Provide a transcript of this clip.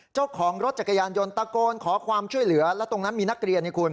เจ้าของรถจักรยานยนต์ตะโกนขอความช่วยเหลือแล้วตรงนั้นมีนักเรียนนี่คุณ